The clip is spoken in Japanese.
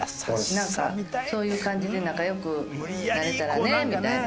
なんかそういう感じで仲良くなれたらねみたいな。